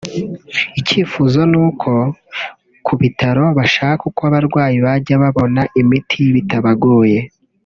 (…) icyifuzo ni uko ku bitaro bashaka uko abarwayi bajya babona imiti bitabagoye